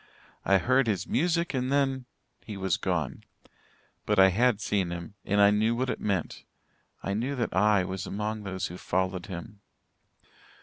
I heard his music, and then he was gone. But I had seen him and I knew what it meant I knew that I was among those who followed him.